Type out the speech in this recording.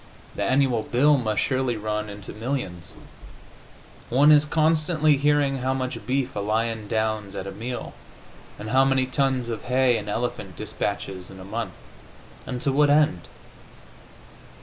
The annual bill must surely run into millions; one is constantly hearing how much beef a lion downs at a meal, and how many tons of hay an elephant dispatches in a month. And to what end?